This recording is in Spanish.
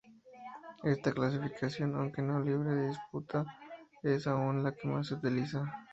Esta clasificación, aunque no libre de disputa, es aún la que más se utiliza.